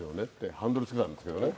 ハンドル付けたんですけどね。